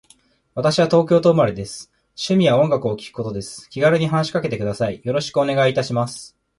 私は東京都生まれです。趣味は音楽を聴くことです。気軽に話しかけてください。よろしくお願いいたします。